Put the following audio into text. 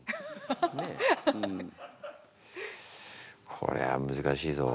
これは難しいぞ。